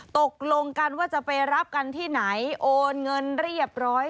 ตกลงกันว่าจะไปรับกันที่ไหนโอนเงินเรียบร้อย